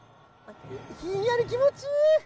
ひんやり気持ちいい！